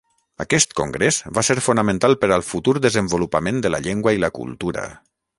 Aquest Congrés va ser fonamental per al futur desenvolupament de la llengua i la cultura.